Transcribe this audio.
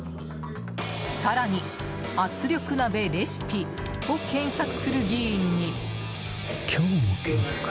更に、「圧力鍋レシピ」を検索する議員に。